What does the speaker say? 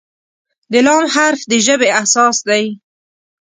د "ل" حرف د ژبې اساس دی.